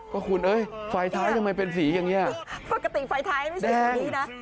ก็คุณเอ้ยไฟท้ายทำไมเป็นสีอย่างนี้ปกติไฟท้ายไม่ใช่สีนี้นะ